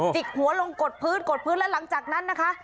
กหัวลงกดพื้นกดพื้นแล้วหลังจากนั้นนะคะ